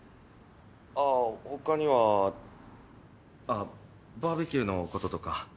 あ他にはバーベキューのこととか。